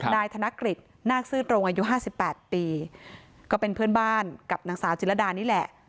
นายกธนกฤษนาคซื่อตรงอายุ๕๘ปีก็เป็นเพื่อนบ้านกับนางสาวจิรดานี่แหละ